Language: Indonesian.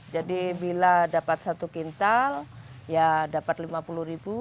jadi bila dapat satu kintal ya dapat lima puluh ribu